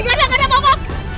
ganti ganti bu bu